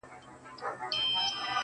o اې د ویدي د مست سُرود او اوستا لوري.